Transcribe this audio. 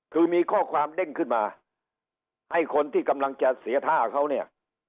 คือมีข้อความเด้งขึ้นมาให้คนที่กำลังจะเสียท่าเขาเนี่ย